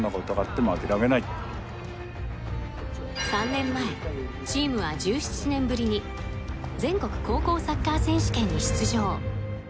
３年前チームは１７年ぶりに全国高校サッカー選手権に出場。